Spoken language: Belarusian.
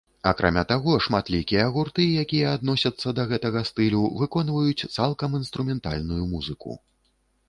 Акрамя таго, шматлікія гурты якія адносяцца да гэтага стылю выконваюць цалкам інструментальную музыку.